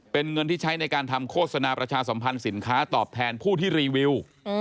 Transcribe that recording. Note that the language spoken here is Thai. เป็นเงินที่ใช้ในการทำโฆษณาประชาสัมพันธ์สินค้าตอบแทนผู้ที่รีวิว